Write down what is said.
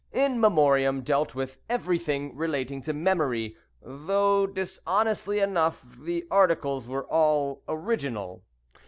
In Memoriam dealt with everything relating to memory, though, dishonestly enough, the articles were all original.